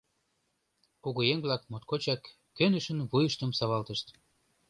Кугыеҥ-влак моткочак кӧнышын вуйыштым савалтышт.